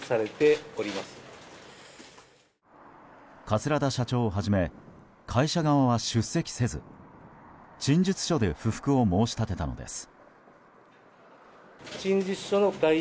桂田社長をはじめ会社側は出席せず陳述書で不服を申し立てたのです。